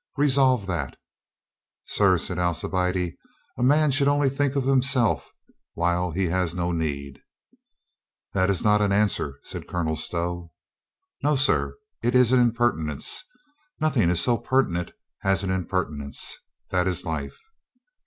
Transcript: Resolve that," "Sir," said Alcibiade, "a man should only think of himself while he has no need." 270 COLONEL GREATHEART "That is not an answer," said Colonel Stow. "No, sir. It is an impertinence. Nothing is so pertinent as an impertinence. That is life."